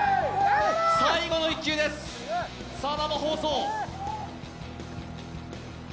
最後の１球です、生放送。